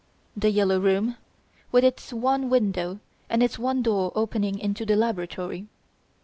"The Yellow Room", with its one window and its one door opening into the laboratory.